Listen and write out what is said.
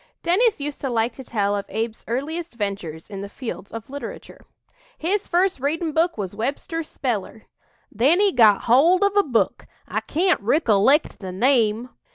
'" Dennis used to like to tell of Abe's earliest ventures in the fields of literature: "His first readin' book was Webster's speller. Then he got hold of a book I can't rickilect the name.